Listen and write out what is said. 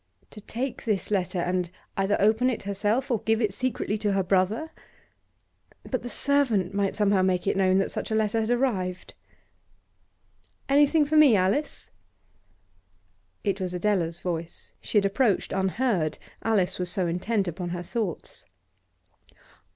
To take this letter and either open it herself or give it secretly to her brother? But the servant might somehow make it known that such a letter had arrived. 'Anything for me, Alice?' It was Adela's voice. She had approached unheard; Alice was so intent upon her thoughts.